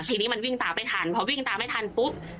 ทีนี้มันวิ่งตามไม่ทันพอวิ่งตามไม่ทันปุ๊บ